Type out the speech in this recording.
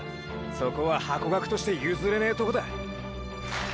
そこはハコガクとしてゆずれねートコだ！！